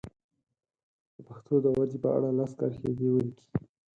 د پښتو د ودې په اړه لس کرښې دې ولیکي.